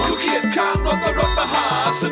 คือเขียนข้างรถและรถประหาสนุก